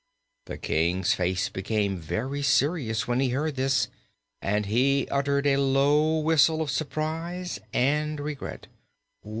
The King's face became very serious when he heard this and he uttered a low whistle of surprise and regret.